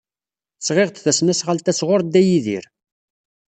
Sɣiɣ-d tasnasɣalt-a sɣur Dda Yidir.